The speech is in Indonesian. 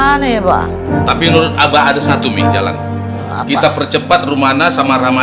sama rere terus gimana ya pak tapi menurut abah ada satu mi jalan kita percepat rumana sama